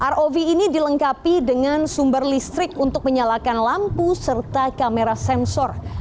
rov ini dilengkapi dengan sumber listrik untuk menyalakan lampu serta kamera sensor